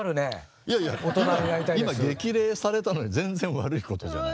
今激励されたのに全然悪いことじゃない。